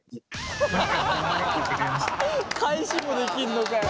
返しもできんのかよ。